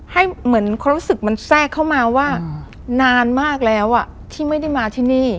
ให้เหมือนความรู้สึกมันแทรกเข้ามาว่านานมากแล้วที่ไม่ได้มาที่นี่